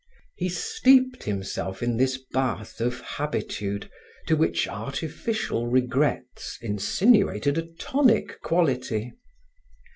He steeped himself in this bath of habitude, to which artificial regrets insinuated a tonic quality.